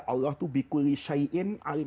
allah itu bikulisya'in alim